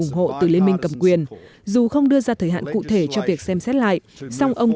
ủng hộ từ liên minh cầm quyền dù không đưa ra thời hạn cụ thể cho việc xem xét lại song ông